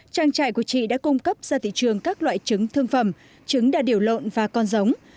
trang trại của chị đã cung cấp ra thị trường các loại trứng thương phẩm trứng đà điểu lộn và con giống